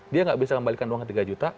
dia nggak bisa mengembalikan doang tiga juta